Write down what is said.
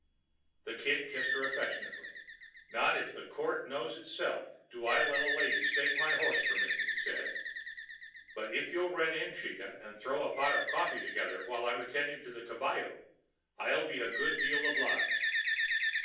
The Kid kissed her affectionately. "Not if the court knows itself do I let a lady stake my horse for me," said he. "But if you'll run in, chica, and throw a pot of coffee together while I attend to the caballo, I'll be a good deal obliged."